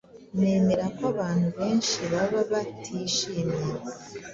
Nemera ko abantu benshi baba batishimye